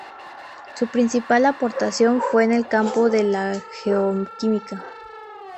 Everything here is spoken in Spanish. Su principal aportación fue en el campo de la geoquímica.